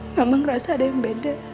memang ngerasa ada yang beda